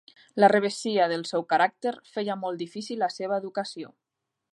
La revessia del seu caràcter feia molt difícil la seva educació.